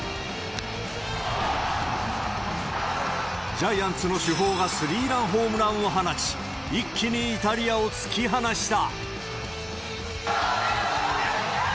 ジャイアンツの主砲がスリーランホームランを放ち、一気にイタリアを突き放した。